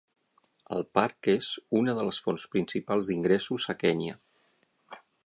El parc és una de les fonts principals d'ingressos a Kenya.